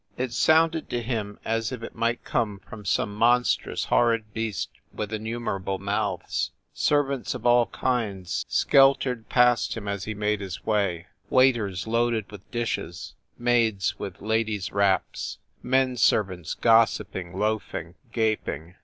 It sounded to him as if it might come from some monstrous, horrid beast with innumerable mouths. Servants of all kinds skeltered past him as he made his way waiters loaded with dishes, maids with ladies wraps, men servants, gos siping, loafing, gaping.